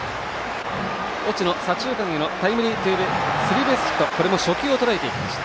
越智の左中間へのタイムリースリーベースヒットこれも初球をとらえていきました。